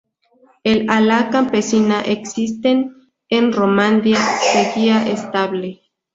El ala campesina existente en Romandía seguía estable.